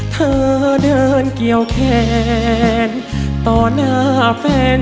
เธอเดินเกี่ยวแขนต่อหน้าแฟน